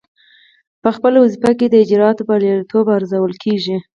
پخپله وظیفه کې د اجرااتو بریالیتوب ارزول کیږي.